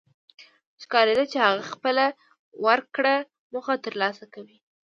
ښکارېده چې هغه خپله ورکړه موخه تر لاسه کوي.